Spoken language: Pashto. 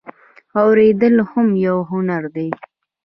اوریدل هم یو هنر دی